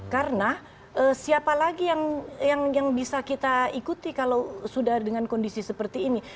karena siapa lagi yang bisa kita ikuti kalau sudah dengan kondisi seperti ini